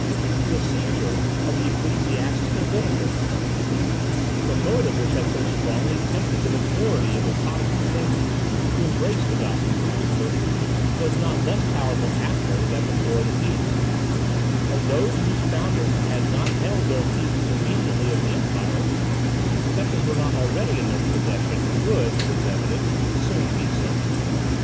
The seizure of the ecclesiastical benefices, the motive which had so strongly tempted the majority of the Protestant princes to embrace the doctrines of Luther, was not less powerful after than before the peace; of those whose founders had not held their fiefs immediately of the empire, such as were not already in their possession would it was evident soon be so.